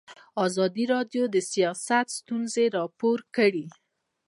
ازادي راډیو د سیاست ستونزې راپور کړي.